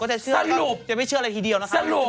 ก็จะเชื่อเดี่ยวไม่เชื่ออะไรทีเดียวนะคะยมริข้ออะรูป